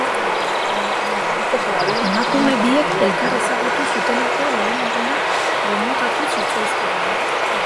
Emakume biek elkar ezagutu zuteneko lehen egunak gomutatu zitzaizkidan.